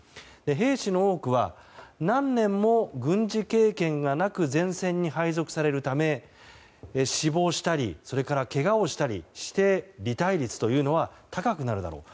兵士の多くは何年も軍事経験がなく前線に配属されるため死亡したりそれから、けがをしたりして離隊率は高くなるだろう。